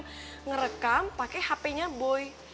reva yang merekam pakai hp nya boy